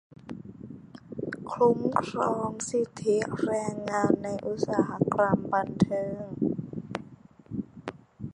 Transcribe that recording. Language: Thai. - คุ้มครองสิทธิแรงงานในอุตสาหกรรมบันเทิง